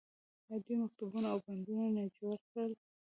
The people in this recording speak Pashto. آیا دوی مکتبونه او بندونه نه جوړ کړل؟